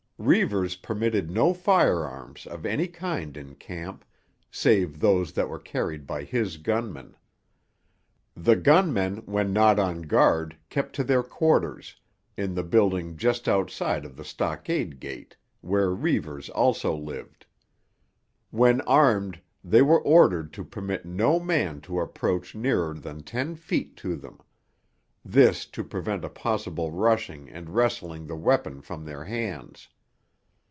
Reivers permitted no firearms of any kind in camp save those that were carried by his gunmen. The gunmen when not on guard kept to their quarters, in the building just outside of the stockade gate, where Reivers also lived. When armed, they were ordered to permit no man to approach nearer than ten feet to them—this to prevent a possible rushing and wresting the weapons from their hands.